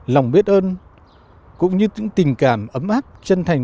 lòng biết ơn cũng như những tình cảm ấm áp chân thành